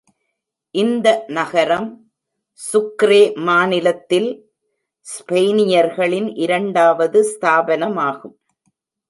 இந்த நகரம் சுக்ரே மாநிலத்தில் ஸ்பெயினியர்களின் இரண்டாவது ஸ்தாபனமாகும்.